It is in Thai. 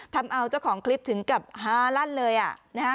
ทำเอาเจ้าของคลิปถึงกับฮาลั่นเลยอ่ะนะฮะ